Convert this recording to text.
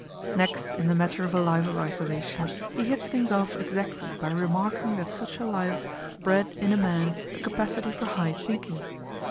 Next, in the matter of a life of isolation, he hit things off exactly by remarking that such a life bred in a man a capacity for high thinking.